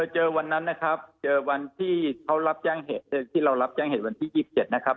เจอวันนั้นนะครับเจอวันที่เรารับจ้างเหตุวันที่๒๗นะครับ